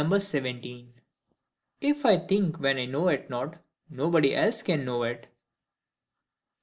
If I think when I know it not, nobody else can know it.